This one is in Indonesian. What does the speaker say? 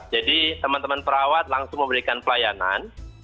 jadi teman teman perawat langsung memberikan pelayanan